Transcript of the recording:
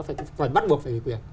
phải bắt buộc phải ủy quyền